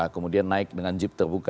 kemudian naik dengan jeep terbuka